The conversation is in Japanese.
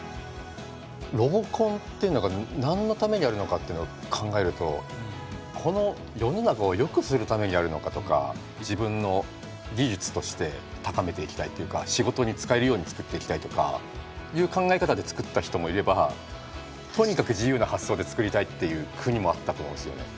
ロボコンというのが何のためにあるのかというのを考えるとこの世の中をよくするためにあるのかとか自分の技術として高めていきたいというか仕事に使えるように作っていきたいとかいう考え方で作った人もいればとにかく自由な発想で作りたいっていう国もあったと思うんですよね。